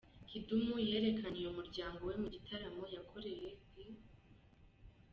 Kidum yerekaniye umuryango we mu gitaramo yakoreye i